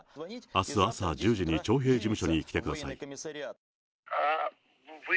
あす朝１０時に徴兵事務所に来てください。